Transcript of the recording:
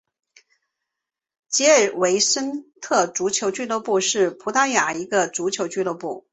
吉尔维森特足球俱乐部是葡萄牙的一家足球俱乐部。